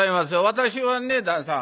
私はね旦さん